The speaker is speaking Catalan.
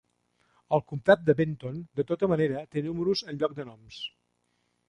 El comtat de Benton, de tota manera, te números en lloc de noms.